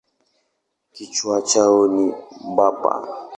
Kichwa chao ni bapa.